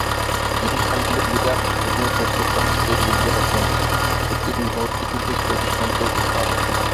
ইন্টারনেটে বিরাট আনুশকার সেই বিজ্ঞাপনের শুটিং মুহূর্তের কিছু ছবি সম্প্রতি ফাঁস হয়েছে।